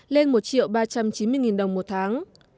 lên một triệu ba trăm chín mươi đồng một tháng